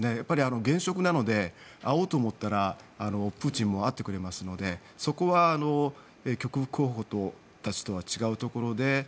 現職なので会おうと思ったらプーチンも会ってくれますのでそこは極右候補たちとは違うところで。